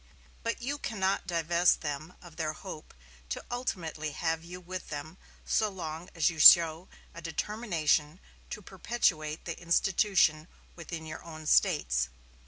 But you cannot divest them of their hope to ultimately have you with them so long as you show a determination to perpetuate the institution within your own States.